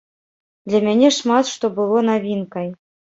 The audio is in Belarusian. Для мяне шмат што было навінкай.